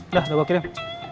udah gue bawa kirim